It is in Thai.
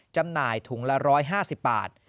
จำหน่ายถุงละ๑๕๐บาท